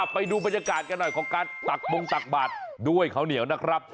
ไปดูบรรยากาศกันหน่อยของการตักบงตักบาทด้วยข้าวเหนียวนะครับ